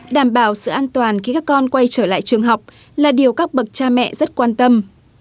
đảm bảo sự an toàn khi các con quay trở lại trường học là điều các bậc cha mẹ rất quan tâm